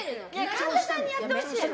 神田さんにやってほしい。